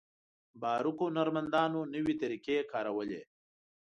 باروک هنرمندانو نوې طریقې کارولې.